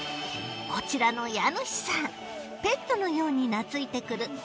こちらの家主さんペットのように懐いて来る